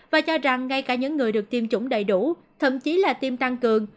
và cho rằng ngay cả những người được tiêm chủng đầy đủ thậm chí là tiêm tăng cường